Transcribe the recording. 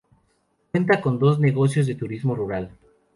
Cuenta con dos negocios de turismo rural.